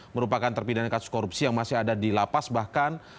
merupakan terpidana kasus korupsi yang masih ada dilapas bahkan